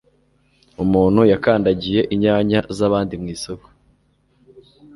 Umuntu yakandagiye inyanya zabandi mw’isoko.